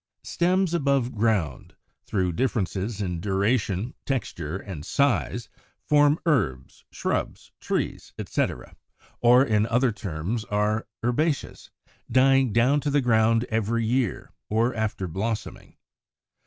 89. =Stems above ground=, through differences in duration, texture, and size, form herbs, shrubs, trees, etc., or in other terms are Herbaceous, dying down to the ground every year, or after blossoming.